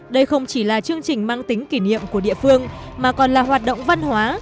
đây không chỉ là chương trình mang tính kỷ niệm của địa phương mà còn là hoạt động văn hóa